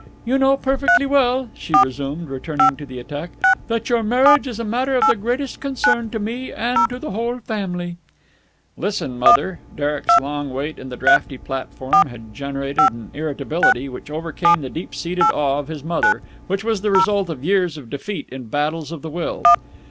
"You know perfectly well," she resumed, returning to the attack, "that your marriage is a matter of the greatest concern to me and to the whole of the family." "Listen, mother!" Derek's long wait on the draughty platform had generated an irritability which overcame the deep seated awe of his mother which was the result of years of defeat in battles of the will.